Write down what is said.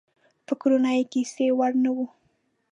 فکرونه یې کیسې وړي وو.